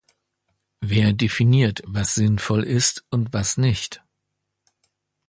Wer definiert, was sinnvoll ist und was nicht?